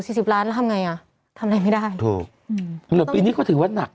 สี่สิบล้านแล้วทำไงอ่ะทำไงไม่ได้ถูกอืมแต่ปีนี้ก็ถือว่านัก